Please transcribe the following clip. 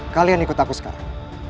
kalian ikut aku sekarang